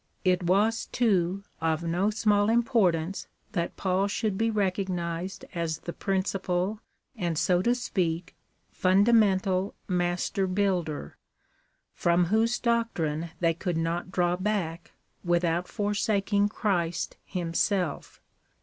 It was, too, of no small importance that Paul should be recognised as the principal, and, so to speak, fundamental master builder, from whose doctrine they could not draw back, without forsaking Christ himself.